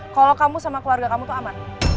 kalau kamu sama keluarga kamu tuh aman